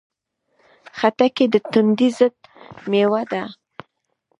خټکی د تندې ضد مېوه ده.